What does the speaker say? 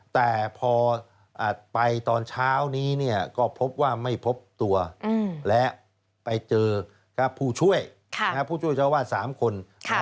แต่พอไปตอนเช้านี้ก็พบว่าไม่พบตัวและไปเจอกับผู้ช่วยผู้ช่วยเจ้าวาด๓คน